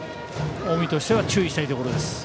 近江としては注意したいところです。